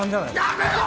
やめろ！